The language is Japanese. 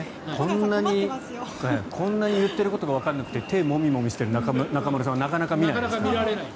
こんなに言ってることがわからなくて手をもみもみしてる中丸さんはなかなか見ないです。